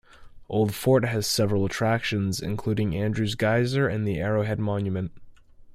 Old Fort has several attractions, including Andrews Geyser and the Arrowhead Monument.